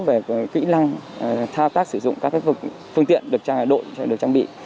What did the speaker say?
về kỹ năng thao tác sử dụng các phương tiện được đội trang bị